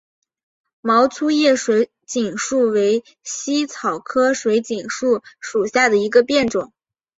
毛粗叶水锦树为茜草科水锦树属下的一个变种。